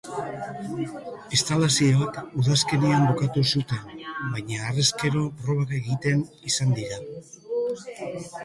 Instalazioa udazkenean bukatu zuten, baina harrezkero probak egiten izan dira.